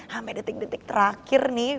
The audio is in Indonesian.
sampai detik detik terakhir nih